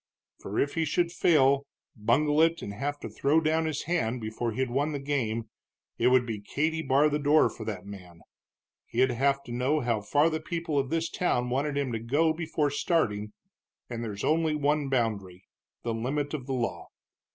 "For if he should fail, bungle it, and have to throw down his hand before he'd won the game, it would be Katy bar the door for that man. He'd have to know how far the people of this town wanted him to go before starting, and there's only one boundary the limit of the law.